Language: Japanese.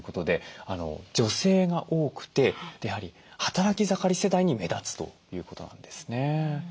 女性が多くてやはり働き盛り世代に目立つということなんですね。